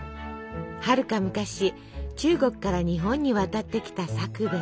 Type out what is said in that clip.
はるか昔中国から日本に渡ってきたさくべい。